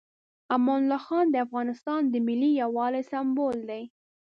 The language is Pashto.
امان الله خان د افغانستان د ملي یووالي سمبول دی.